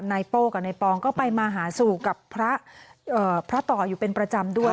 โป้กับนายปองก็ไปมาหาสู่กับพระต่ออยู่เป็นประจำด้วย